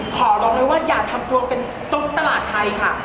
ขอบอกเลยว่าอย่าทำตัวเป็นตุ๊บตลาดไทยค่ะ